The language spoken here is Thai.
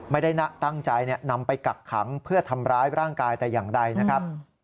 ไม่ได้ตั้งใจนำไปกักขังเพื่อทำร้ายร่างกายแต่อย่างใดนะครับ